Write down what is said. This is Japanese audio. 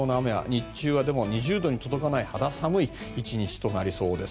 日中は２０度に届かない肌寒い１日となりそうです。